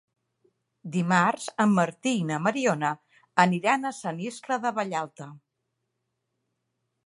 Dimarts en Martí i na Mariona aniran a Sant Iscle de Vallalta.